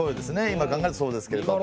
今考えるとそうですけれども。